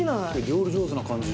「料理上手な感じ」